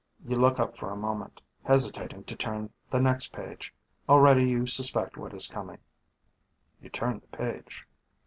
You look up for a moment, hesitating to turn the next page. Already you suspect what is coming. You turn the page.